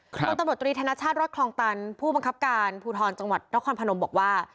คนตำรวจตรีธนชาติรถคลองตันผู้บังคับการภูทรจังหวัดนครพนมบอกว่า